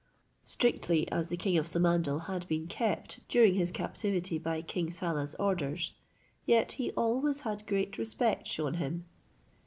Strictly as the king of Samandal had been kept during his captivity by King Saleh's orders, yet he always had great respect shewn him.